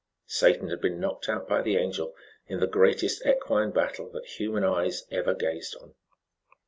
Satan had been knocked out by the Angel, in the greatest equine battle that human eyes ever had gazed on.